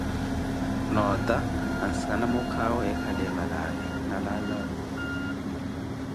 noota ansikana muukhawe eekhaliye valaavi na Laazaru.